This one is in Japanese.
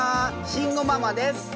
慎吾ママです。